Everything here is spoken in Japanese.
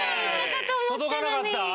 届かなかった？